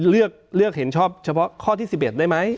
เลือกเห็นชอบเฉพาะข้อที่๑๑ได้ไหม